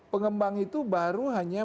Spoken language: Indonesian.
pengembang itu baru hanya